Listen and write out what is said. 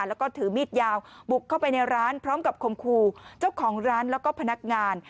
แล้วก็ถือมีดยาวบุกเข้าไปในร้านพร้อมกับคมคู่เจ้าของร้านแล้วก็พนักงาน